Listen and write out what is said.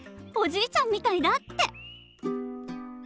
おじいちゃんみたいだって。